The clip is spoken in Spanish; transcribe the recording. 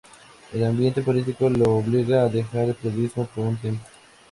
El ambiente político lo obligó a dejar el periodismo por un tiempo.